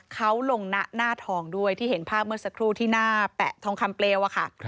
เขาลงหน้าทองด้วยที่เห็นภาพเมื่อสักครู่ที่หน้าแปะทองคำเปลวอะค่ะ